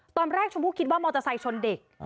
ตอนแรกชุมผู้คิดว่ามอเตอร์ไซค์ชนเด็ก